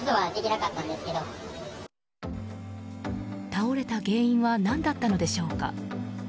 倒れた原因は何だったのでしょうか。